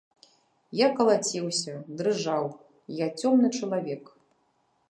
Я калаціўся, дрыжаў, я цёмны чалавек.